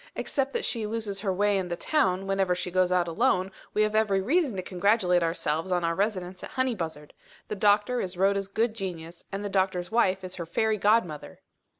Except that she loses her way in the town, whenever she goes out alone, we have every reason to congratulate ourselves on our residence at Honeybuzzard. The doctor is Rhoda's good genius, and the doctor's wife is her fairy godmother."